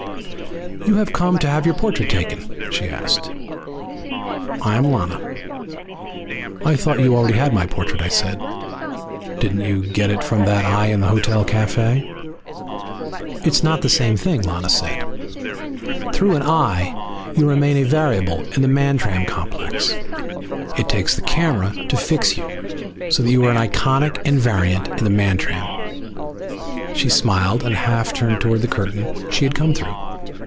"You have come to have your portrait taken?" she asked. "I am Lana." "I thought you already had my portrait," I said. "Didn't you get it from that eye in the hotel cafe?" "It's not the same thing," Lana said. "Through an eye you remain a variable in the Mantram complex. It takes the camera to fix you, so that you are an iconic invariant in the Mantram." She smiled and half turned toward the curtain she had come through.